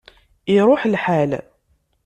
Iruḥ lḥal